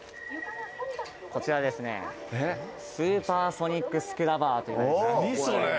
こちらは、スーパーソニックスクラバーといいます。